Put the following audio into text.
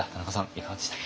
いかがでしたか？